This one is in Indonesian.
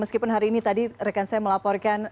meskipun hari ini tadi rekan saya melaporkan